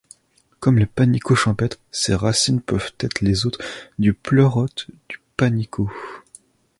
Comme le Panicaut champêtre, ses racines peuvent être les hôtes du Pleurote du panicaut.